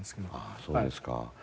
ああそうですか。